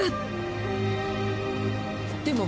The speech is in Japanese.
でも。